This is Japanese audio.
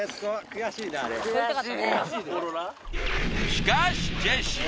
しかしジェシー